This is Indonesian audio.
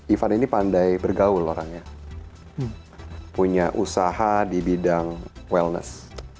ivan ini pandai bergaul orangnya punya usaha di bidang wellness